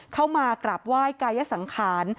เข้ามากราบไหว้กายสังขาร